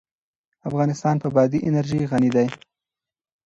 افغانستان په بادي انرژي غني دی.